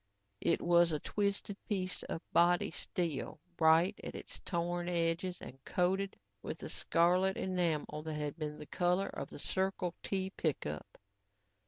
It was a twisted piece of body steel, bright at its torn edges and coated with the scarlet enamel that had been the color of the Circle T pickup.